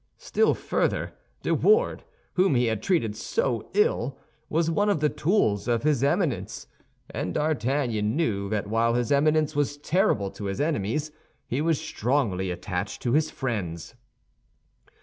Still further, De Wardes, whom he had treated so ill, was one of the tools of his Eminence; and D'Artagnan knew that while his Eminence was terrible to his enemies, he was strongly attached to his friends.